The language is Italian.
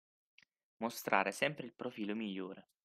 Mostrare sempre il profilo migliore